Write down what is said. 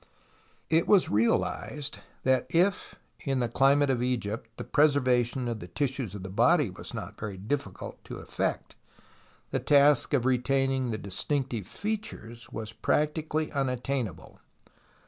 it was realized that if, in the chmate of Egypt, the preservation of the tissues of the body was not very difficult to SIGNIFICANCE OF THE DISCOVERY 55 effect, the task of retaining the distinctive features was practically unattainable.